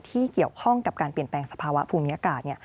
ที่เกี่ยวข้องกับการเปลี่ยนแปลงสภาวะภูมิอากาศ